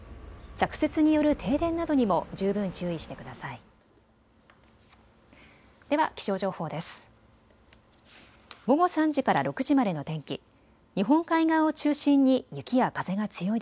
着雪による停電などにも十分注意してください。